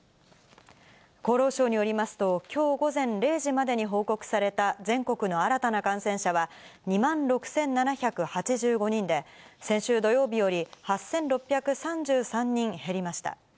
厚労省によりますと、きょう午前０時までに報告された全国の新たな感染者は、２万６７８５人で、先週土曜日より８６３３人減りました。